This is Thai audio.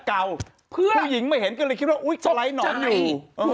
นาคือหุ่ยหญิงไม่เห็นก็เลยคิดว่าอุ๊ยสไลด์นอนอยู่